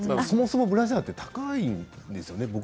そもそもブラジャーって高いですよね。